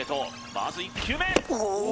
まず１球目！